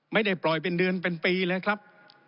ไม่ได้ปล่อยเป็นเดือนเป็นปีเลยครับ